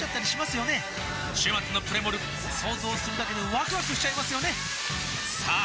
週末のプレモル想像するだけでワクワクしちゃいますよねさあ